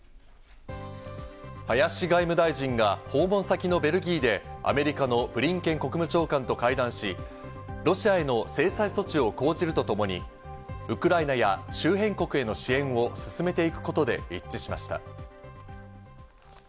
林外務大臣が訪問先のベルギーでアメリカのブリンケン国務長官と会談し、ロシアへの制裁措置を講じると共にウクライナや周辺国への支援を進めていくことで一致しました。